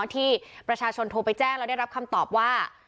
ที่ประชาชนโทรไปแจ้งแล้วได้รับคำตอบว่า